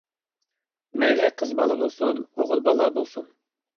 مەيلى قىز بالا بولسۇن ئوغۇل بالا بولسۇن.